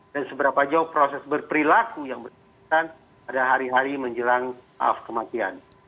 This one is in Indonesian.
dan seberapa jauh proses berperilaku yang berlaku pada hari hari menjelang alas kematian